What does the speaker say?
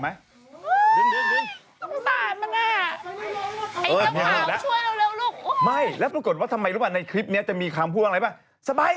ไม่แล้วปรากฏว่าทำไมรู้มั้ยในคลิปนี้จะมีความพูดว่าอะไรบ้าง